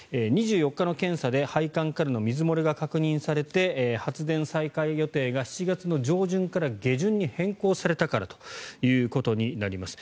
２４日の検査で配管からの水漏れが確認されて発電再開予定が７月の上旬から下旬に変更されたからということです。